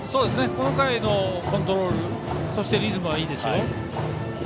この回のコントロールそしてリズムはいいですよ。